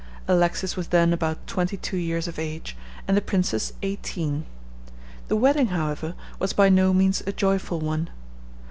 Alexis was then about twenty two years of age, and the princess eighteen. The wedding, however, was by no means a joyful one.